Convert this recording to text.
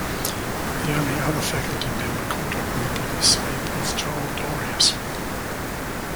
The only other faculty member caught up in the police sweep was Joel Dorius.